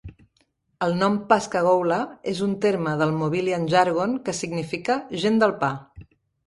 El nom "Pascagoula" és un terme del Mobilian Jargon que significa "gent del pa".